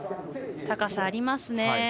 高さありますね。